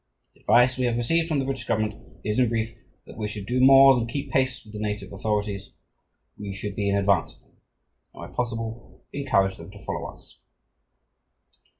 The advice we have received from the British Government is, in brief, that we should do more than keep pace with the native authorities, we should be in advance of them and where possible encourage them to follow us."